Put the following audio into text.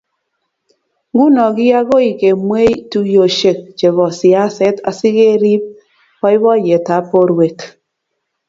nguno koagoi kemweei tuiyoshek chebo siaset asikeriip boiboiyetab borwek